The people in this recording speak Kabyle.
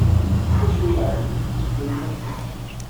Iwacu yeɛni tetteffrem akka?